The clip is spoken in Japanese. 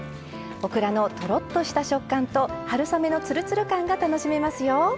オクラのとろっとした食感と春雨のつるつる感が楽しめますよ。